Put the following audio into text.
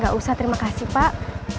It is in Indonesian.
gak usah terima kasih pak